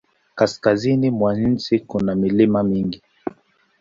Kaskazini mwa nchi kuna milima mingi.